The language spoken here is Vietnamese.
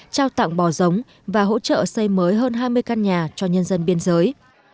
trao tặng bò giống và hỗ trợ xây mới hơn hai mươi căn nhà cho nhân dân biên giới